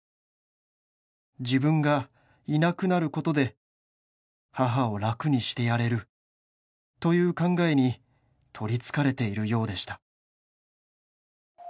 「自分がいなくなることで母を楽にしてやれるという考えに取り憑かれているようでした」